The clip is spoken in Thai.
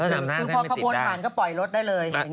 คือพอขบวนผ่านก็ปล่อยรถได้เลย